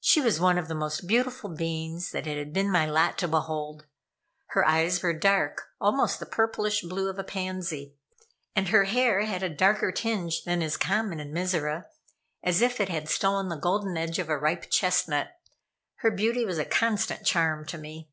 She was one of the most beautiful beings that it had been my lot to behold. Her eyes were dark, almost the purplish blue of a pansy, and her hair had a darker tinge than is common in Mizora, as if it had stolen the golden edge of a ripe chestnut. Her beauty was a constant charm to me.